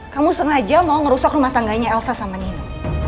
kamu sengaja mau ngerusak rumah tangganya elsa sama nina